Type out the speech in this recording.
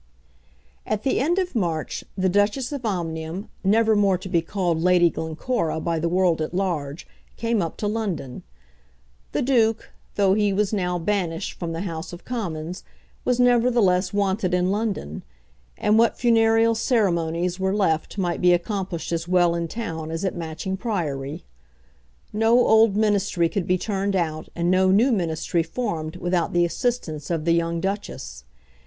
At the end of March the Duchess of Omnium, never more to be called Lady Glencora by the world at large, came up to London. The Duke, though he was now banished from the House of Commons, was nevertheless wanted in London; and what funereal ceremonies were left might be accomplished as well in town as at Matching Priory. No old Ministry could be turned out and no new Ministry formed without the assistance of the young Duchess.